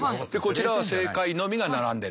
こちらは正解のみが並んでる。